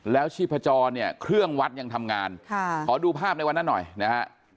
แล้วชีพจรเนี่ยเครื่องวัดยังทำงานขอดูภาพในวันนั้นหน่อยนะฮะ